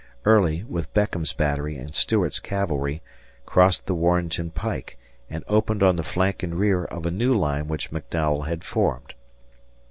Early, with Beckham's battery and Stuart's cavalry, crossed the Warrenton pike and opened on the flank and rear of a new line which McDowell had formed.